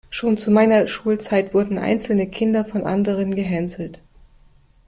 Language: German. Schon zu meiner Schulzeit wurden einzelne Kinder von anderen gehänselt.